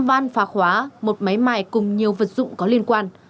ba van phá khóa một máy mài cùng nhiều vật dụng có liên quan